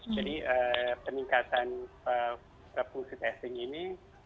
jadi peningkatan republik testing ini